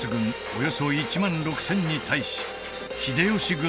およそ１万６０００に対し秀吉軍